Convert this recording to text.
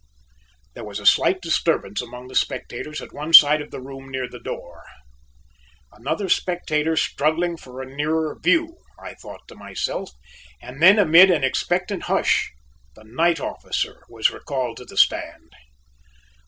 There was a slight disturbance among the spectators at one side of the room near the door; "another spectator struggling for a nearer view," I thought to myself; and then amid an expectant hush the night officer was recalled to the stand.